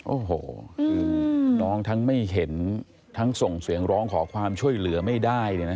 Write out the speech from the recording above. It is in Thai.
โอ้โหคือน้องทั้งไม่เห็นทั้งส่งเสียงร้องขอความช่วยเหลือไม่ได้เลยนะ